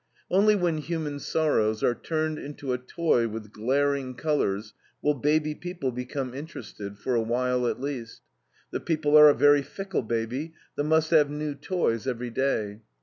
Only when human sorrows are turned into a toy with glaring colors will baby people become interested for a while at least. The people are a very fickle baby that must have new toys every day.